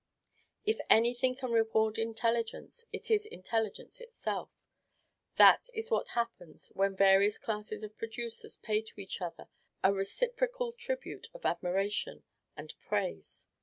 If any thing can reward intelligence, it is intelligence itself. That is what happens, when various classes of producers pay to each other a reciprocal tribute of admiration and praise.